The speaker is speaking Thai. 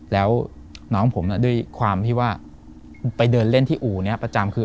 แล้วน้องผมด้วยความที่ว่าไปเดินเล่นที่อู่นี้ประจำคือ